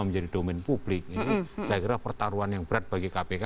saya kira pertaruhan yang berat bagi kpk